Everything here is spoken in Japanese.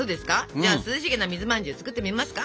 じゃあ涼しげな水まんじゅう作ってみますか？